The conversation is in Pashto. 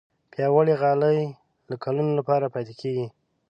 پیاوړې غالۍ د کلونو لپاره پاتې کېږي.